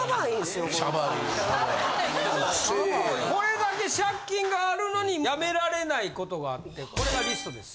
これだけ借金があるのにやめられない事があってこれがリストです。